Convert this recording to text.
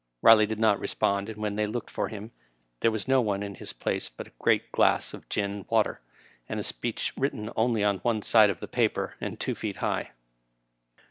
Biley did not respond, and when they looked for him there was no one in his place but a great glass of gin and water, and a speech written only on one side of the paper, and two feet high.